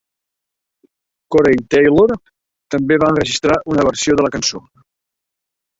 Corey Taylor també va enregistrar una versió de la cançó.